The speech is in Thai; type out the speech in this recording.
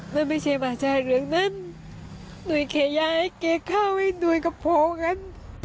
มันไม่ใช่มหาชาติเหลืองนั้นหนุ่ยขยายให้เก่ข้าวให้หนุ่ยกับผมกัน